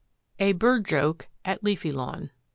A BIRD JOKE AT LEAFY LAWN.